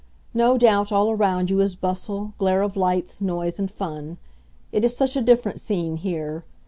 No doubt all around you is bustle, glare of lights, noise, and fun. It is such a different scene here.